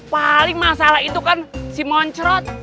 paling masalah itu kan si moncrot